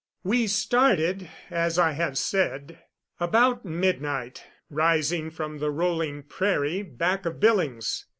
We started, as I have said, about midnight, rising from the rolling prairie back of Billings.